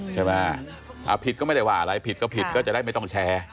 ผิดก็ไม่ได้ว่าอะไรผิดก็ผิดก็จะได้ไม่ต้องแชร์